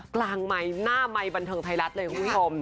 ไมค์หน้าไมค์บันเทิงไทยรัฐเลยคุณผู้ชม